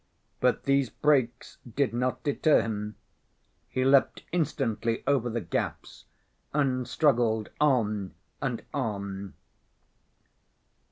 But these breaks did not deter him. He leapt instantly over the gaps, and struggled on and on.